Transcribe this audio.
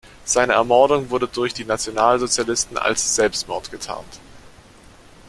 Seine Ermordung wurde durch die Nationalsozialisten als Selbstmord getarnt.